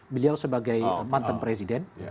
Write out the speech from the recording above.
beliau sebagai mantan presiden